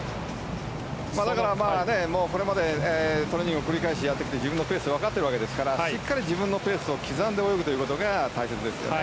だから、これまでトレーニングを繰り返しやってきて自分のペース分かってきていますからしっかり自分のペースを刻んで泳ぐということが大切ですね。